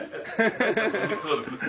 そうですね。